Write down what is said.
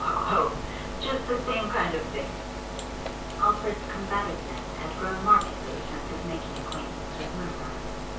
Ho, ho, ho! Just the same kind of thing.' Alfred's combativeness had grown markedly since his making acquaintance with Mutimer.